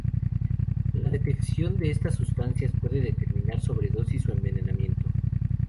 La detección de estas sustancias puede determinar sobredosis o envenenamiento.